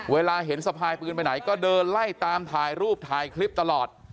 เวลาเห็นสะพายปืนไปไหนก็เดินไล่ตามถ่ายรูปถ่ายคลิปตลอด